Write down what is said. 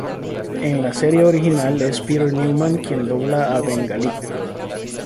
En la serie original es Peter Newman quien dobla a "BenGalí".